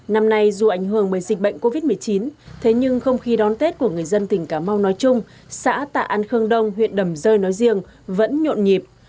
năm nay dù ảnh hưởng bởi dịch bệnh covid một mươi chín thế nhưng không khí đón tết của người dân tỉnh cà mau nói chung xã tạ an khương đông huyện đầm rơi nói riêng vẫn nhộn nhịp